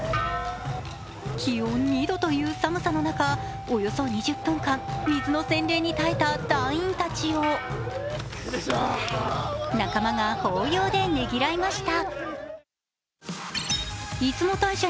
気温２度という寒さの中、およそ２０分間、水の洗礼に耐えた団員たちを仲間が抱擁でねぎらいました。